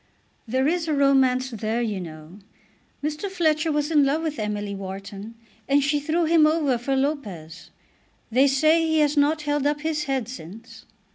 "There is a romance there, you know. Mr. Fletcher was in love with Emily Wharton, and she threw him over for Lopez. They say he has not held up his head since."